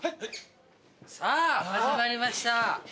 さぁ始まりました。